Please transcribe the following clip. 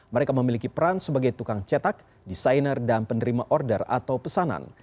mereka memiliki peran sebagai tukang cetak desainer dan penerima order atau pesanan